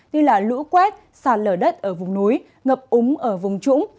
như lũ quét sạt lở đất ở vùng núi ngập úng ở vùng trũng